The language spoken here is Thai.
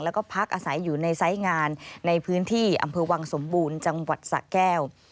แล้วก็พักอาศัยอยู่ในไซส์งานในพื้นที่อำเภอวังสมบูรณ์จังหวัดสะแก้ว